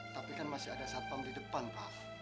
tapi kan masih ada satpam di depan pak